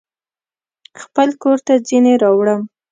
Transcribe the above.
خپل کورته ځینې راوړم